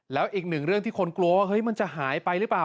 แล้วอีกหนึ่งเรื่องที่คนกลัวว่าเฮ้ยมันจะหายไปหรือเปล่า